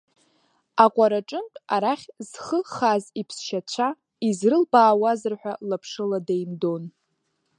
Аҟәараҿынтә арахь зхы хаз иԥсшьацәа изрылбаауазар ҳәа, лаԥшыла деимдон.